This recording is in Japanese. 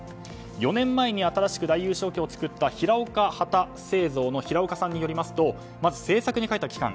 ４年前に新しく大優勝旗を作った平岡旗製造の平岡さんによりますとまず制作にかかった期間